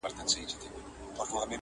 خو په شا یې وړل درانه درانه بارونه!.